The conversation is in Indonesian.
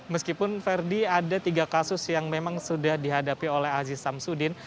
meskipun ferdi ada tiga kasus yang memang sudah dihadapi oleh aziz samsudin